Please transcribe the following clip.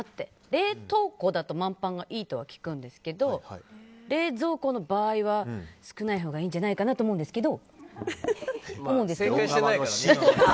冷凍庫だと満杯がいいとは聞くんですけど冷蔵庫の場合は少ないほうがいいんじゃないかとまあでも正解してないからね。